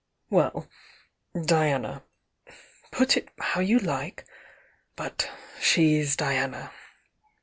"Well— Diana— put it how you like, but she's Diana.